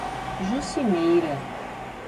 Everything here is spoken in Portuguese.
Juscimeira